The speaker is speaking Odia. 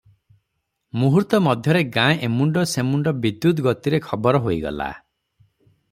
ମୁହୂର୍ତ୍ତ ମଧ୍ୟରେ ଗାଁ ଏ ମୁଣ୍ତ ସେମୁଣ୍ତ ବିଦ୍ୟୁତ୍ ଗତିରେ ଖବର ହୋଇଗଲା ।